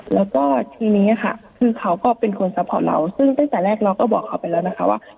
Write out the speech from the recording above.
แล้วก็ทีนี้ค่ะคือเขาก็เป็นคนซัพพอร์ตเราซึ่งตั้งแต่แรกเราก็บอกเขาไปแล้วนะคะว่า